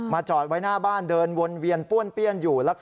จอดไว้หน้าบ้านเดินวนเวียนป้วนเปี้ยนอยู่